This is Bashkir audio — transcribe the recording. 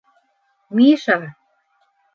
- Миша!